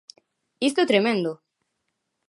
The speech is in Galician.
¡Isto é tremendo!